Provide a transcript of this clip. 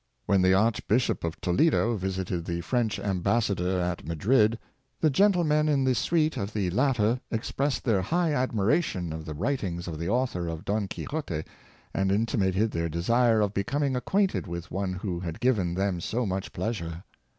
When the Archbishop of Toledo vis ited the French ambassador at Madrid, the gentlemen in the suite of the latter expressed their high admira tion of the writings of the author of " Don Quixote," and intimated their desire of becoming acquainted with one who had given them so much pleasure.